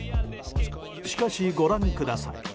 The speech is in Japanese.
しかし、ご覧ください。